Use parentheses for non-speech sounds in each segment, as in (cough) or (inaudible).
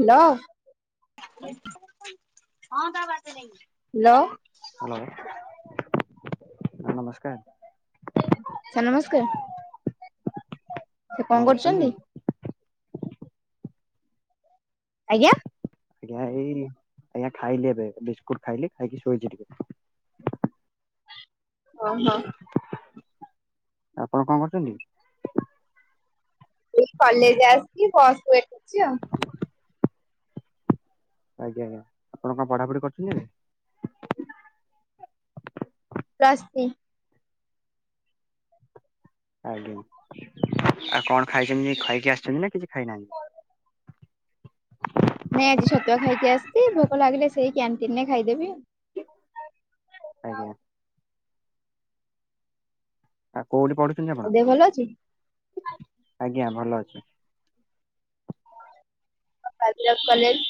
Hello. (unintelligible) Hello. ନମସ୍କାର। Sir ନମସ୍କାର। ସେ କଣ କରୁଚନ୍ତି? ଆଜ୍ଞା ଆଜ୍ଞା! ଏଇ ଆଜ୍ଞା! ଖାଇଲି ଏବେ ବିସ୍କୁଟ ଖାଇଲି ଖାଇକି ଶୋଇଛି ଟିକେ। ଓହୋ। ଆପଣ କଣ କରୁଛନ୍ତି? ଏଇ କଲେଜ ଆସଛି ବସ୍ କୁ ୱେଟ୍ କରଛି ଆଉ। ଆଜ୍ଞା! ଆଜ୍ଞା! ଆପଣ କଣ ପଢାପଢି କରୁଛନ୍ତି ଏବେ? Plus three. ଆଜ୍ଞା। ଆଉ କଣ ଖାଇଛନ୍ତି ଖାଇକି ଆସିଛନ୍ତି ନା କିଛି ଖାଇନାହାନ୍ତି? ନାଇଁ ଆଜି ଛତୁଆ ଖାଇକି ଆସିଛି। ଭୋକ ଲାଗିଲେ ସେଇ କ୍ୟାଣ୍ଟିନରେ ଖାଇଦେବି। ଆଜ୍ଞା। ଆଉ କୋଉଠି ପଢ଼ୁଛନ୍ତି ଆପଣ? ଦେହ ଭଲ ଅଛି? ଆଜ୍ଞା ଭଲ ଅଛି। ବାଜି ରାଉତ କଲେଜ୍।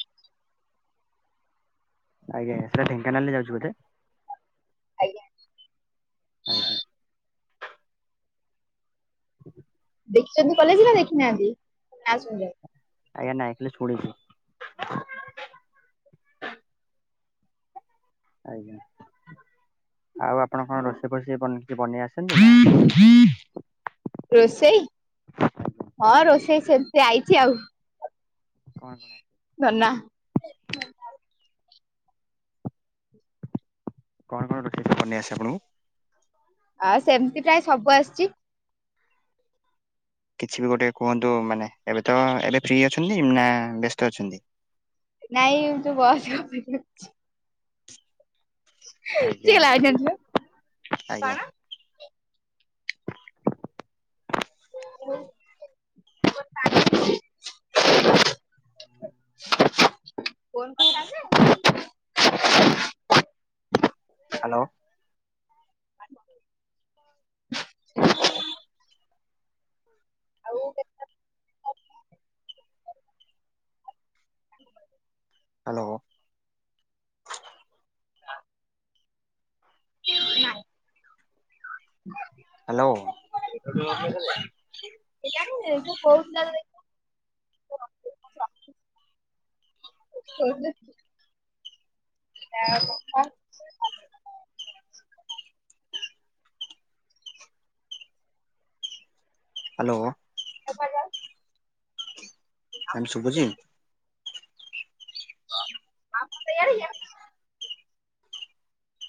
ଆଜ୍ଞା ଆଜ୍ଞା ସେଟା ଢେଙ୍କାନାଳରେ ଯାଉଛି ବୋଧେ? ଆଜ୍ଞା ଆଜ୍ଞା। (unintelligible) ଦେଖିଛନ୍ତି କଲେଜ ନା ଦେଖିନାହାନ୍ତି ନା ଶୁଣିଲେ ଆଜ୍ଞ ନାଇ ଖାଲି ଶୁଣିଛି। ଆଜ୍ଞା। ଆଉ ଆପଣ କଣ ରୋଷେଇ ଫୋଷେଇ ବନେ କିଛି ବନେଇଆସେନି? ରୋଷେଇ ହଁ ରୋଷେଇ ସେମତି ଆଇଛି ଆଉ। କଣ? ଧନା। (unintelligible) କଣ କଣ ରୋଷେଇ ସବୁ ବନେଇ ଆସେ ସବୁ ଆପଣଙ୍କୁ? ଆଉ ସେମିତି ପ୍ରାୟ ସବୁ ଆସିଛି। କିଛି ବି ଗୋଟେ କୁହନ୍ତୁ ମାନେ ଏବେ ତ ଏବେ ଫ୍ରି ଅଛନ୍ତି ନା ବ୍ୟସ୍ତ ଅଛନ୍ତି? ନାଇଁ ମୁଁ ଯୋଉ ବସ୍ କୁ ଅପେକ୍ଷା କରିଛି। ହିଁ ଆଜ୍ଞା ଟିକେ ଲାଇନ୍ ରେ ଥିଲେ। ଆଜ୍ଞା (unintelligible) କଣ ଥା ହେଲି ଜେ ହ୍ୟାଲୋ। (inaudible) ଆଉ (unintelligible) ହ୍ୟାଲୋ। ନାଇ ହ୍ୟାଲୋ (unintelligible) କଉଥିଲା (unintelligible) ଆ (unintelligible) ହ୍ୟାଲୋ। ଦେଖାଯାଉ। ମାମ ଶୁଭୁଚି? (unintelligible) ତେୟାର ହେଇଯା।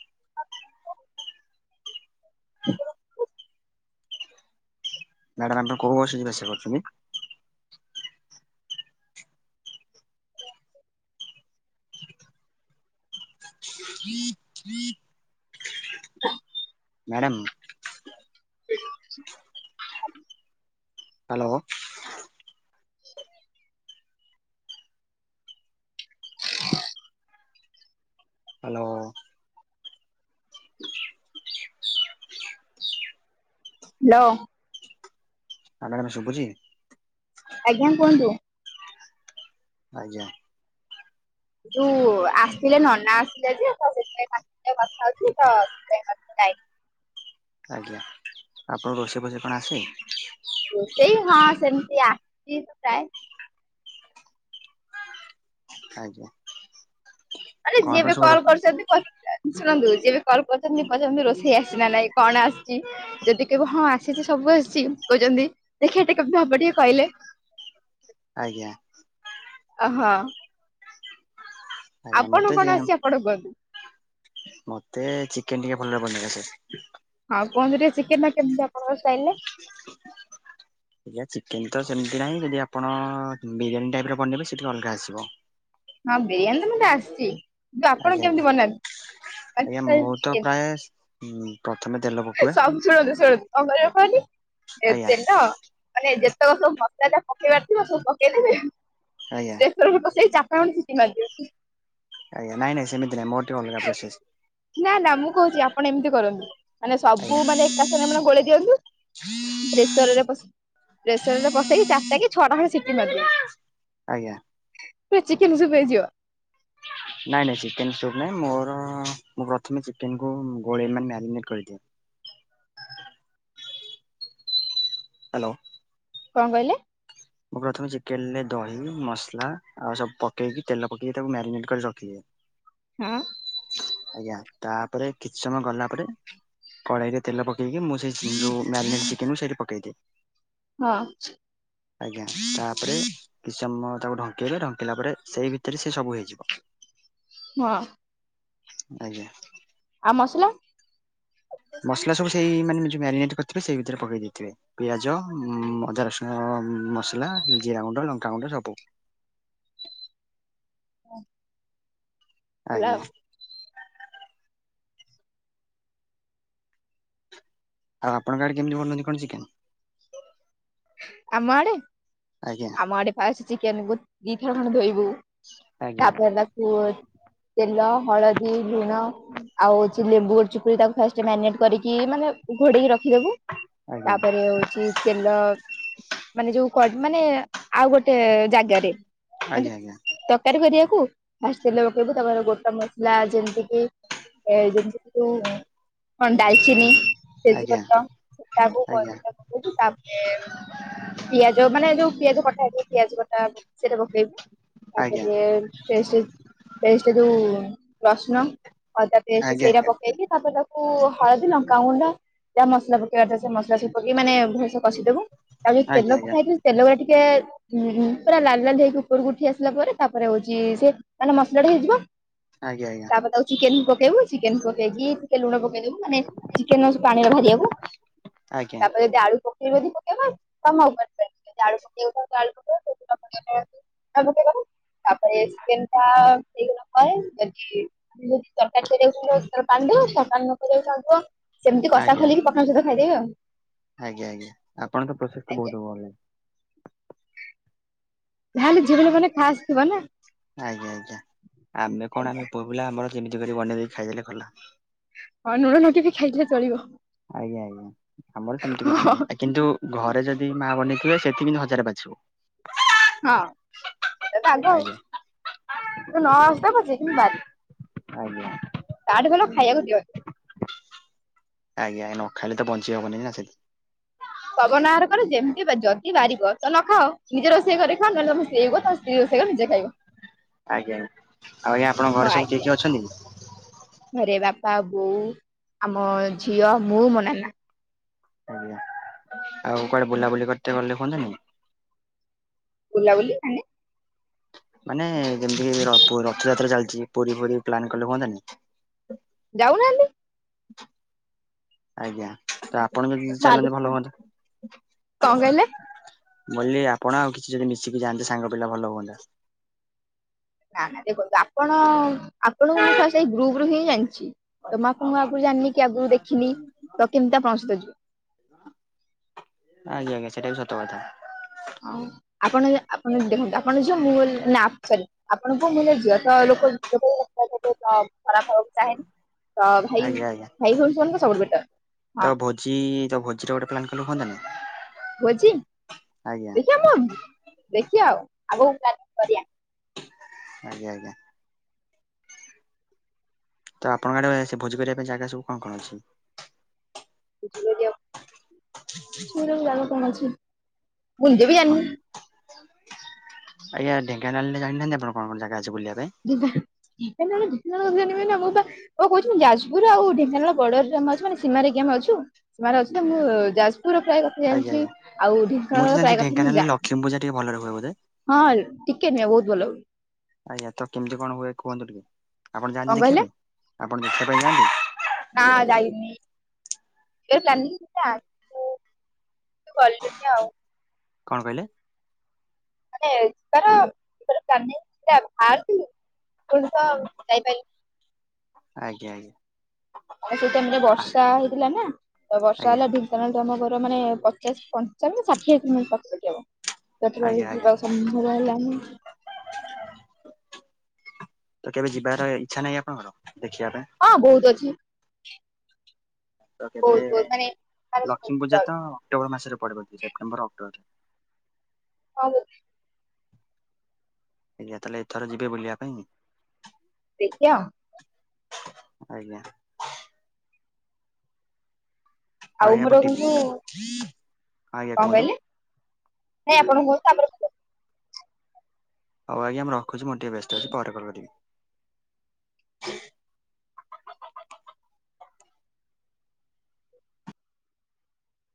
(unintelligible) ମ୍ୟାଡ଼ାାମ ଆପଣ କୋଉ ବସ୍ ରେ ଯିବା ଆସିବା କରୁଛନ୍ତି? (inaudible) (inaudible) Madam (unintelligible) hello. (inaudible) ହାଲୋ। ହାଲୋ। ଆଜ୍ଞା ମାମ ଶୁଭୁଚି? ଆଜ୍ଞା କହନ୍ତୁ। ଆଜ୍ଞା। ଯୋଉ ଆସଥିଲେ ନନା ଆସିଲେ ଯେ ତ ସେଥିପାଇଁ ତାଙ୍କ ସାଙ୍ଗେ କଥା ହୋଉଥିଲି ତ ସେ ଯାଇନି (inaudible) ଆଜ୍ଞା ଆପଣ ରୋଷେଇ ଫୋଷେଇ କଣ ଆସେ। ସେଇ ହଁ ସେମିତି ଆସିଛି ପ୍ରାଏ। ଆଜ୍ଞା। ଆରେ କଣ ଯିଏ କଣ ବି ସବୁ କଲ୍ କରୁଛନ୍ତି କୋହୁ ଶୁଣନ୍ତୁ ଯିଏ ବି କଲ୍ କରୁଚନ୍ତି ପଚାରୁଛନ୍ତି ରୋଷେଇ ଆସିଚି ନା ନାଇଁ କଣ ଆସିଛି ଯଦି କହିବ ହଁ ଆସିଚି ସବୁ ଆସିଛି କୋହୁଛନ୍ତି ଦେଖିଆ ଏଟା କେମିତ ହବ ଟିକେ କହିଲେ। ଆଜ୍ଞା। ଅହଁ। ଆଜ୍ଞା ମତେ ଚିକେନ ଆସିଛି ଆପଣ କୁହନ୍ତୁ। ମତେ ଚିକେନ ଟିକେ ଭଲରେ ବନେଇ ଆସେ। ଆଉ କୁହନ୍ତୁ ଟିକେ ଚିକେନ୍ ଟା କେମିତି ଆପଣଙ୍କର ଷ୍ଟାଇଲ୍ ରେ ଆଜ୍ଞା ଚିକେନ ତ ସେମିତି ନାହିଁ ଯଦି ଆପଣ ବିରିୟାନୀ ଟାଇପର ବନେଇବେ ସେଠି ଅଲଗା ଆସିବ। ହଁ ବିରିୟାନୀ ତ ମୁତେ ଆସିଚି। କିନ୍ତ ଆପଣ ଆଜ୍ଞା କେମିତି ବନାନ୍ତି ବାକି ଆଜ୍ଞା ମୁଁ ଖାଲି ତ ଚିକେନ ପ୍ରାୟ ଟା (unintelligible) ପକୁଏ ଶବ୍ ଶୁଣନ୍ତୁ ଶୁଣନ୍ତୁ କଁ କରିବ କହନି ଏ ଆଜ୍ଞା ତେଲ ମାନେ ଯେ ଯେତକ ସବୁ ମସଲା ଟା ପକେଇବାର ଥିବ ସବୁ ପକେଇେବେ ଆଜ୍ଞା ପ୍ରେସର୍ ରେ ବସେଇ ଚା ଟା ଖଣ୍ଡେ ସିଟି ମାରିଦିଅନ୍ତୁ। ଆଜ୍ଞା ନାଇଁ ନାଇଁ ସେମିତି ନାଇଁ ମୋର ଟିକେ ଅଲଗା ନା ନା ମୁଁ କହୁଛି ପ୍ରୋସେସ୍। ଆପଣ ଏମିତି କରନ୍ତୁ ମାନେ ସବୁ ଆଜ୍ଞା। ମାନେ ଏକା ସାଙ୍ଗେ ମାନେ ଗୋଳେଇ ଦିଅନ୍ତି। ପ୍ରେସରରେ ବସେ ପ୍ରେସରରେ ବସେଇକି ଚାରିଟା କି ଛଅଟା ଖଣ୍ଡେ ସିଟି ମାରି ଦିଅନ୍ତି। ଆଜ୍ଞା। ପୁରା ଚିକେନ ସୂପ୍ ହେଇଯିବ। ନାଇଁ ନାଇଁ ଚିକେନ୍‌ ସୂପ୍ ନାଇଁ ମୋର ମୁଁ ପ୍ରଥମେ ଚିକେନ୍‌କୁ ଗୋଲେଇ ମାନେ ମ୍ୟାରିନେଟ କରିଦିଏ। ହାଲୋ। କଁ କହିଲେ। ମୁଁ ପ୍ରଥମେ ଚିକେନରେ ଦହି ମସଲା ଆଉ ସବୁ ପକେଇକି ତେଲ ପକେଇକି ତାକୁ ମ୍ୟାରିନେଟ କରି ରଖିଦିଏ। ହଁ। ଆଜ୍ଞା ତାପରେ କିଛି ସମୟ ଗଲା ପରେ କଡେଇ ରେ ତେଲ ପକେଇକି ମୁଁ ସେ ଚି ଯୋଉ ମ୍ୟାରିନେଟ ଚି କେନ୍ କୁ ସେଇଠୀ ପକେଇଦିଏ। ହଁ। ଆଜ୍ଞା ତାପରେ କିଛି ସମୟ ତାକୁ ଢଙ୍କେଇବେ ଢଙ୍କେଇଲା ପରେ ସେଇ ଭିତରେ ସିଏ ସବୁ ହେଇଯିବ। ହଁ। ଆଜ୍ଞା। ଆଉ ମସଲା ମସଲା ସବୁ ସେଇ ମାନେ ଯୋଉ ମ୍ୟାରିନେଟ୍ କରିିଥିବେ ସେଇ ଭିତରେ ପକେଇ ଦେଇଥିବେ ପିଆଜ ଅଦା ରସୁଣ ଅଁ ମସଲା ଜିରା ଗୁଣ୍ଡ ଲଙ୍କା ଗୁଣ୍ଡ ସବୁ (inaudible) ହେଲା ଆଜ୍ଞା। ଆଉ ଆପଣଙ୍କ ଆଡ଼େ କେମିତି ବନାନ୍ତି କଣ ଚିକେନ୍। ଆମ ଆଡ଼େ ଆମ ଆଡ଼େ ଫାଷ୍ଟ ଚିକେନକୁ ଦିଥର ଖଣ୍ଡେ ଧୋଇବୁ ଆଜ୍ଞା ତାପରେ ତାକୁ ତେଲ ହଳଦୀ ଲୁଣ ଆଉ ଚି ଲେମ୍ବୁ ଗୋଟେ ଚିପୁଡ଼ି ତାକୁ ଫାଷ୍ଟ ମ୍ୟାରିନେଟ୍ କରିକି ମାନେ ଘୋଡେଇକି ର ରଖି ଦୋବୁ ଆଜ୍ଞା ତାପରେ ହୋଉଚି ତେଲ ମାନେ ଯୋଉ କ ମାନେ ଆଉ ଗୋଟେ ଜାଗାରେ ମାନେ ଆଜ୍ଞା ଆଜ୍ଞା। ତରକାରୀ କରିବାକୁ ଫାଷ୍ଟ ତେଲ ପକେଇବୁ ତାପରେ ଗୋଟା ମସଲା ଯେମିତି କିି ଏ ଯେମତି କଣ ଡାଲଚିନି, ଆଜ୍ଞା। ଆଜ୍ଞା ତେଜପତ୍ରକୁ ଆଜ୍ଞା ତାପରେ ପିଆଜ ମାନେ ଯୋଉ ପିଆଜ କଟା ହେଇଥିବ ପିଆଜ କଟା ସେଇଟା ପକେଇବୁ। ଆଜ୍ଞା ତାପରେ ପେଷ୍ଟ ପେଷ୍ଟ ଜଉ ରସୁଣ। ଅଦା ପେଷ୍ଟ ଆଜ୍ଞା ସେଇଟା ପକେଇକି ତାପରେ ତାକୁ ହଳଦୀ, ଲଙ୍କାଗୁଣ୍ଡ ଯାହା ମସଲା ପକେଇବାର ଥିବ ସେ ମସଲା ସବୁ ପକେଇ ମାନେ ଭଲସେ କଷିଦବୁ ତାପରେ ଆଜ୍ଞା ଆଜ୍ଞା ତେଲ ଆଜ୍ଞା ପକାହେଇଥିବ ତେଲ ଟିକେ ଟିକେ ଉ ପୁରା ଲାଲ ଲାଲ ହେଇକି ଉପରକୁ ଉଠି ଆସିଲା ପରେ ତାପରେ ହଉଛି ସେ ମାନେ ମସଲା ଟା ହେଇଯିବ। ଆଜ୍ଞା ଆଜ୍ଞା। ତାପରେ ତାକୁ ଚିକେନ ପକେଇବୁ ଚିକେନ ପକେଇକି ଟିକେ ଲୁଣ ପକେଇ ମୁଁ ମାନେ ଚିକେନ୍ ପାଣିରେ ଭରିବାକୁ ଆଜ୍ଞା ତାପରେ ଯଦି ଆଳୁ ପକେଇବ ଯଦି ପକେଇବ (unintelligible) ତାପରେ ଚିକେନ୍ ଟା ହେଇଗଲା ପରେ ବାକି ତରକାରୀ ନ କରିବାକୁ ଆଜ୍ଞା ଖାଇଦେଲ। ଆଜ୍ଞା ଆଜ୍ଞା ଆପଣ ତ ପ୍ରୋସେସ ତ ବହୁତ ଭଲ। ତାହେଲେ ଝିଅପିଲା ମାନେ ଖାସ୍ ଥିବ ନା। ଆଜ୍ଞା ଆଜ୍ଞା ଆମେ କଣ ଆଜ୍ଞା। ଆମେ ପୁଅପିଲା ଆମର ଯେମିତି କରି ବନେଇଦେଲେ ଖାଇଦେଲେ ଗଲା। ହଁ ଲୁଣ ଲଗେଇ କି ବି ଖାଇଲେ ଚଳିବ। ଆଜ୍ଞା ଆଜ୍ଞା ଆମର ସେମିତି ହଁ କିଛି ହଁ। ନାହିଁ କିନ୍ତୁ ଘରେ ଯଦି ମା ବନେ ସେଥିକିନ୍ତୁ ହଜାରେ ବାଛିବୁ। ହଁ ସେଟା ରାଗ ଆଉ ଆଜ୍ଞା ତ ନ ଆସୁଥାଉ ପଛେ କିନ୍ତୁ ବାରିବୁ। ଆଜ୍ଞା। ତାଠୁ ଭଲ ଖାଇବାକୁ ଦିଅନି। ଆ ନ ଖାଇଲେ ତ ବଞ୍ଚି ହବନି ନା ସେଥି ପବନ ବାହାର ଯେମିତି ଯଦି ବାରିବ ତ ନ ଖାଅ ନିଜେ ଘରେ ଖାଅ ନହେଲେ ତ ସ୍ତ୍ରୀ ରୋଷେଇ କଲେ ନିଜେ ଖାଇବ। ଆଜ୍ଞା ଆଉ ଆଜ୍ଞା ଆପଣଙ୍କ ହଁ ଘରେ ସବୁ କିଏ ଆଜ୍ଞା କିଏ ଅଛନ୍ତି? ଘରେ ବାପା ବୋଉ, ଆମ ଝିଅ, ମୁଁ, ମୋ ନାନା। ଆଜ୍ଞା ଆଉ କୁଆଡେ ବୁଲାବୁଲି କରିତେ ଗଲେ କୁହନ୍ତାନି? ବୁଲାବୁଲି ମାନେ ମାନେ ଯେମିତି ରଥଯାତ୍ରା ଚାଲିଛି ପୁରୀ ଫୁରୀ ପ୍ଲାନ କଲେ ହୁଅନ୍ତାନି। ଯାଉ ନାହାଁନ୍ତି। (inaudible) ଆଜ୍ଞା ତ ଆପଣ ଯଦି ଭାଲୁ ଚାଲନ୍ତେ ଭଲ ହୁଅନ୍ତା? କଣ କହିଲେ? ମୁଁ କହିଲି ଆପଣ ଆଉ କିଛି ଯଦି ମିଶିକି ଯାଆନ୍ତେ ସାଙ୍ଗ ପିଲା ଭଲ ହୁଅନ୍ତା। ନା ନା ଦେଖନ୍ତୁ ଆପଣ ଆପଣଙ୍କୁ ସେଇ ଗ୍ରୁପ ରୁ ହିଁ ଜାଣିଛି। ତ ମୁଁ ଆପଣଙ୍କୁ ଆଗରୁ ଜାଣିନି କି ଆଗରୁ ଦେଖିନି ତ କେମିତି ଆପଣଙ୍କ ସହ ଯିବି। ଆଜ୍ଞା ଆଜ୍ଞା ସେଟା ବି ସତ କଥା। ହଁ ଆପଣ ଆପଣ ଦେଖନ୍ତୁ ଆପଣ ଝିଅ ମୁଁ ନା ସରି ଆପଣ ପୁଅ ମୁଁ ହେଲି ଝିଅ। ଲୋକ ଲୋକ ଖରାଫ ହବାକୁ ଚାହେଁନି। ତ ଭାଇ ଆଜ୍ଞା ଆଜ୍ଞା। ଭାଇ ହଉଛନ୍ତି ସବୁଠୁ ବେଟର୍। ତ ଭୋଜି ତ ଭୋଜିର ଗୋଟେ ପ୍ଲାନ୍ କଲେ ହୁଅନ୍ତା ନି? ଭୋଜି ଆଜ୍ଞା (unintelligible) ଦେଖିବା ଆଉ ଆଗକୁ ପ୍ଲାନି କରିବା। ଆଜ୍ଞା ଆଜ୍ଞା। ତ ଆପଣଙ୍କ ଆଡେ ସେ ଭୋଜି କରିବା ପାଇଁ ଜାଗା ସବୁ କଣ କଣ ଅଛି? ଇ କଣ ଅଛି? ମୁଁ ନିଜେ ବି ଜାଣିନି। ଆଜ୍ଞା ଢୋଙ୍କାନାଳ ରେ ଜଣିନାହାନ୍ତି ଆପଣ କଣ କଣ ଜାଗା ଅଛି? ବୁଲିବା ପାଇଁ ନା ଢେଙ୍କାନାଳ ରେ? ମୁଁ ବା କହୁଛି ଯାଜପୁର ଆଉ ଢେଙ୍କାନାଳ ବର୍ଡରରେ ଅଛୁ ଆମେ ସୀମାରେ କି ଆମେ ଅଛୁ ରଇଥା ମୁଁ ଯାଉ ଯାଜପୁର ପ୍ରାୟ କଥା ଆଜ୍ଞା ଜାଣିଛି ଆଜ୍ଞା। ଆଉ ମୁଁ ତ ଢେଙ୍କାନାଳର ଜାଣିଛି ପ୍ରାୟ କଥା ମୁଁ ଢେଙ୍କାନାଳରେ ଜାଣନି। ଲକ୍ଷ୍ମୀ ପୂଜା ଟିକେ ଭଲରେ ହୁଏ ବୋଧେ ହଁ ଟିକେ ନୁହଁ ବହୁତ ଭଲ। ଆଜ୍ଞା ତ କେମିତି କଣ ହୁଏ କୁହନ୍ତୁ ଟିକେ ଆପଣ ଯାଆନ୍ତି କଣ ଦେଖିବା ପାଇଁ ଆପଣ ଦେଖିବା ପାଇଁ ଯାଆନ୍ତି? ନାଁ ଯାଇନି। ଗଲିନି ଆଉ, କଣ କହିଲେ? ଆରେ ଏଥର ଏଥର ପ୍ଲାନିଙ୍ଗ ଥିଲା ବାହାରୁ ଥିଲି ପୁଣି ତ ଯାଇପାଇଲିନି। ଆଜ୍ଞା ଆଜ୍ଞା। ମାନେ ସେଇଟାଇମ୍ ରେ ବର୍ଷା ହେଇଥିଲା ନା ତ ବର୍ଷା ଆଜ୍ଞା ହେଲା ଢେଙ୍କାନାଳ ଠୁ ଆମ ଘର ମାନେ ପଚାଶ ପଞ୍ଚାବନ ଷାଠିଏ କିମି ପାଖପାଖି ହବ। ସେତେବେଳେ ଆଜ୍ଞା ଆଜ୍ଞା। ଯିବା ସମ୍ଭବ ହେଲାନି। ତ କେବେ ଯିବାର ଇଚ୍ଛା ନାହିଁ ଆପଣଙ୍କର? ଦେଖିବା ପାଇଁ ହଁ ବହୁତ ଅଛି। ତ କେବେ ବହୁତ ବହୁତ ମାନେ ଲକ୍ଷ୍ମୀ ପୂଜା ତ ମାନେ ଅକ୍ଟୋବର ମାସରେ ପଡିବ ସେପ୍ଟେମ୍ବର ଅକ୍ଟୋବର ହଁ ବୋଧେ, ଆଜ୍ଞା ତାହେଲେ ଏଥର ଯିବେ ବୁଲିବା ପାଇଁ ଦେଖିବା ଆଉ। ଆଜ୍ଞା, ଆଉ ଆଜ୍ଞା ଆପଣ ମୋର ଟିଫି କିନ୍ତୁ ହଁ ଆଜ୍ଞା କଣ କୁହନ୍ତୁ କହିଲେ ନାଇଁ ଆପଣ କୁହନ୍ତୁ ତାପରେ ମୁଁ କହିବି। ହଉ ଆଜ୍ଞା ମୁଁ ରଖୁଛି ମୁଁ ଟିକେ ବ୍ୟସ୍ତ ଅଛି ପରେ କଲ୍ କରିବି। ଚି,